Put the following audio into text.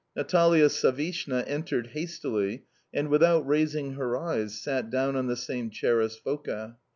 Natalia Savishna entered hastily, and, without raising her eyes, sat own on the same chair as Foka.